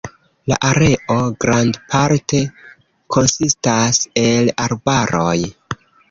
La areo grandparte konsistas el arbaroj.